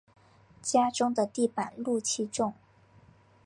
家中的地板露气重